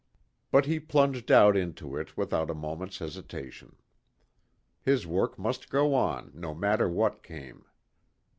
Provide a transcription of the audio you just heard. But he plunged out into it without a moment's hesitation. His work must go on, no matter what came.